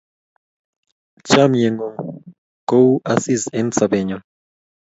chamiet ng'un ko u asis eng' sabet nyun